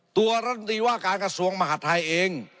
ตัวรัฐมนตรีว่าการกระทรวงมหาดไทยเอง